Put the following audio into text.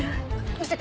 見せて。